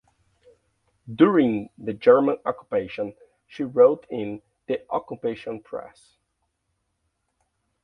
During the German occupation she wrote in the occupation press.